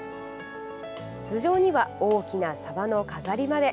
頭上には大きなサバの飾りまで！